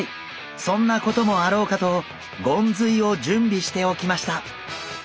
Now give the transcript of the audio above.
そんなこともあろうかとゴンズイを準備しておきました。